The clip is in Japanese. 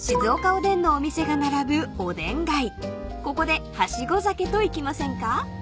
［ここではしご酒といきませんか？］